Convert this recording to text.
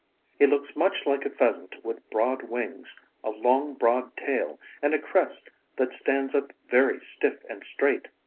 He looks much like a pheasant with broad wings, a long, broad tail and a crest that stands up very stiff and straight.